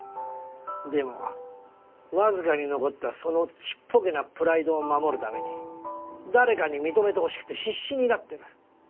でもわずかに残ったそのちっぽけなプライドを守るために誰かに認めてほしくて必死になってる。